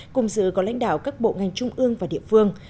cùng dự có lãnh đạo các bộ ngành trung ương và địa phương